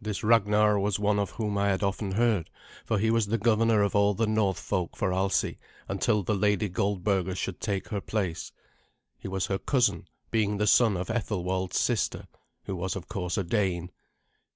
This Ragnar was one of whom I had often heard, for he was the governor of all the North folk for Alsi until the Lady Goldberga should take her place. He was her cousin, being the son of Ethelwald's sister, who was of course a Dane.